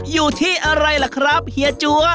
อยู่ที่อะไรล่ะครับเฮียจั๊ว